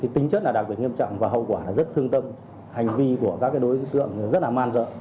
tính chất là đặc biệt nghiêm trọng và hậu quả là rất thương tâm hành vi của các đối tượng rất là man rợ